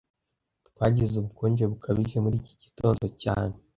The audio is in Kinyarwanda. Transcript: Twagize ubukonje bukabije muri iki gitondo cyane